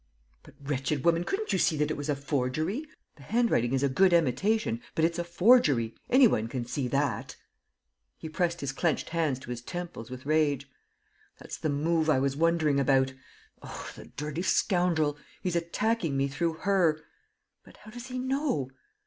"But, wretched woman, couldn't you see that it was a forgery? The handwriting is a good imitation ... but it's a forgery. ... Any one can see that." He pressed his clenched hands to his temples with rage. "That's the move I was wondering about. Oh, the dirty scoundrel! He's attacking me through her .... But how does he know?